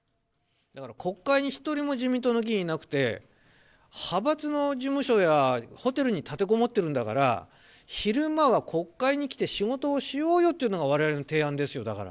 国会に一人も自民党の議員いなくて、派閥の事務所やホテルに立てこもってるんだから、昼間は国会に来て仕事をしようよっていうのが、われわれの提案ですよ、だから。